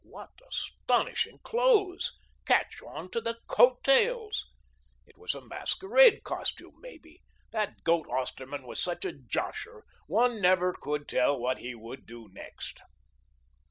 What astonishing clothes! Catch on to the coat tails! It was a masquerade costume, maybe; that goat Osterman was such a josher, one never could tell what he would do next.